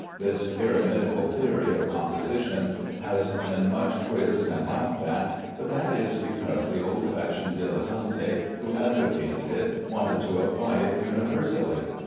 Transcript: This pyramidical theory of composition has been much quizzed and laughed at, but that is because the old fashioned dilettanti who advocated it wanted to apply it universally.